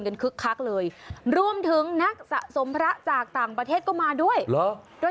กันครึกคักเลยรวมถึงนักสะสมพระจากต่างประเทศก็มาด้วย